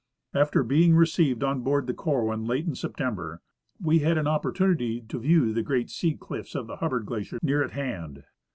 After being received on board the Corwin, late in September, we had an op]3ortunity to view the great sea cliffs of the Hubbard glacier near at hand.